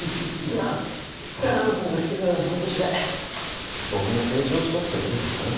まあ鷹野さんが来てからの半年で僕も成長したってことですかね。